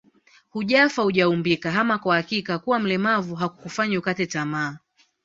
Hujafa hujaumbika ama kwa hakika kuwa mlemavu hakukufanyi ukate tamaa